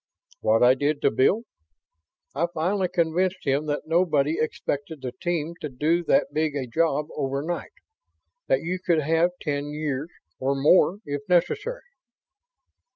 "What I did to Bill? I finally convinced him that nobody expected the team to do that big a job overnight. That you could have ten years. Or more, if necessary."